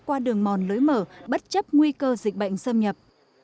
qua đường mòn lối mở bất chấp nguy cơ dịch bệnh xâm nhập